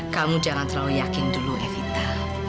kamu jangan terlalu yakin dulu evita